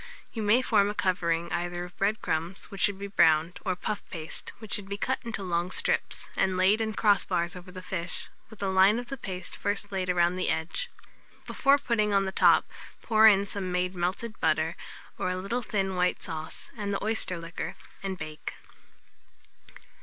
You may form a covering either of bread crumbs, which should be browned, or puff paste, which should be cut into long strips, and laid in cross bars over the fish, with a line of the paste first laid round the edge. Before putting on the top, pour in some made melted butter, or a little thin white sauce, and the oyster liquor, and bake.